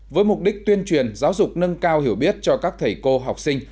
với mục đích tuyên truyền giáo dục nâng cao hiểu biết cho các thầy cô học sinh